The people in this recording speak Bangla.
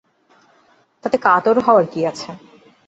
তাতে কাতর হওয়ার কী আছে?